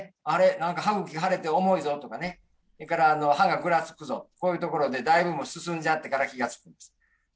なんか歯ぐきが腫れて重いぞとか、それから歯がぐらつくぞ、こういうところでだいぶ進んじゃってから気がつくんです。